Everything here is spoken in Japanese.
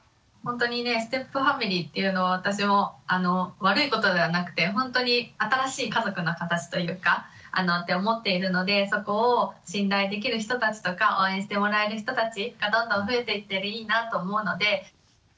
ほんとにねステップファミリーっていうのは私も悪いことではなくてほんとに新しい家族の形というかって思っているのでそこを信頼できる人たちとか応援してもらえる人たちがどんどん増えていったらいいなと思うので。